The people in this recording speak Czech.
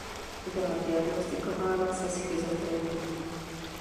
Byla diagnostikována se schizofrenií.